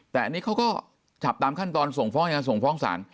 แต่อันนี้เขาก็จับตามขั้นตอนส่งฟ้องยังไงส่งฟ้องศาล